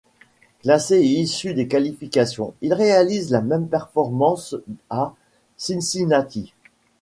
Classé et issu des qualifications, il réalise la même performance à Cincinnati.